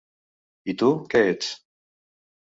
I tu, què ets?